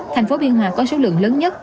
thành phố biên hòa có số lượng lớn nhất